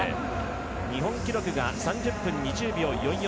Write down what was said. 日本記録が３０分２０秒４４。